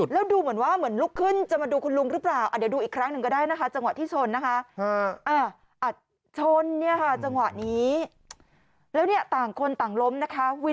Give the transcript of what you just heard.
รู้ไหมฮะเขาทำอย่างไร